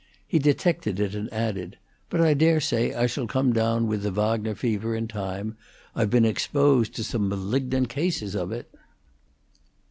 He detected it, and added: "But I dare say I shall come down with the Wagner fever in time. I've been exposed to some malignant cases of it."